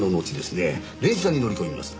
電車に乗り込みます。